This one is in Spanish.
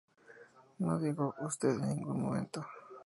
No digo "usted" en ningún momento.